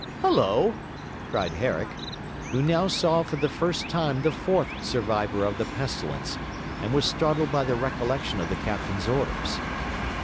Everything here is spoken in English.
'Hullo!' cried Herrick, who now saw for the first time the fourth survivor of the pestilence, and was startled by the recollection of the captain's orders.